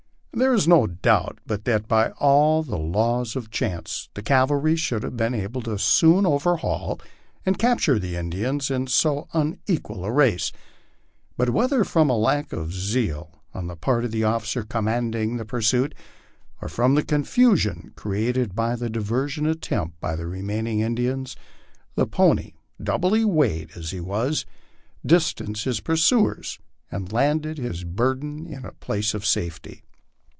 There is no doubt but that by all the laws of chance the cavalry should have been able to soon overhaul and capture the Indians in so unequal a race ; but whether from lack of zeal on the part of the officer commanding the pur suit, or from the confusion created by the diversion attempted by the remaining Indians, the pony, doubly weighted as he was, distanced his pursuers and landed his burden in a place of safety.